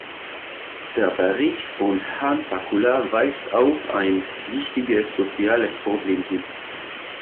Der Bericht von Herrn Takkula weist auf ein wichtiges soziales Problem hin.